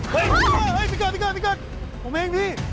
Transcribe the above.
เฮ้ยพี่เกิดพี่เกิดพี่เกิดผมเองพี่